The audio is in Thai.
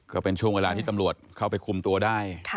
ก็เป็นช่วงเวลาที่ตำรวจเข้าไปคุมตัวได้